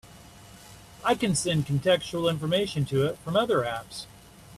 I can send contextual information to it from other apps.